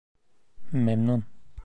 Memnun